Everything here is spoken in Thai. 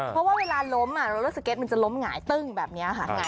เพราะว่าเวลาล้มรถสเก็ตมันจะล้มหงายตึ้งแบบนี้ค่ะ